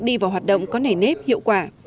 đi vào hoạt động có nề nếp hiệu quả